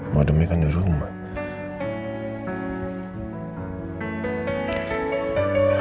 modemnya kan di rumah